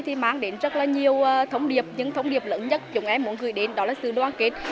thì mang đến rất là nhiều thông điệp những thông điệp lớn nhất chúng em muốn gửi đến đó là sự đoàn kết